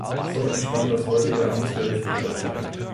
So entstand das heutige Amtsgericht Ebersberg.